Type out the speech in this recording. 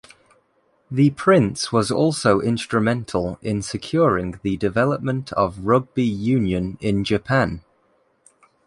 The prince was also instrumental in securing the development of rugby union in Japan.